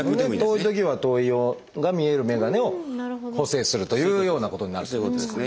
遠いときは遠い用が見えるメガネを補正するというようなことになるってことですか。